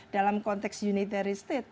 dalam konteks unitary state